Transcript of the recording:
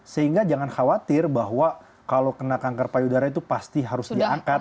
sehingga jangan khawatir bahwa kalau kena kanker payudara itu pasti harus diangkat